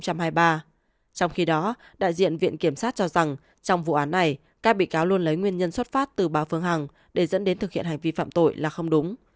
trong khi đó đại diện viện kiểm sát cho rằng trong vụ án này các bị cáo luôn lấy nguyên nhân xuất phát từ bà phương hằng để dẫn đến thực hiện hành vi phạm tội là không đúng